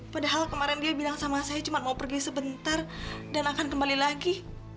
padahal kemarin dia bilang sama saya cuma mau pergi sebentar dan akan kembali lagi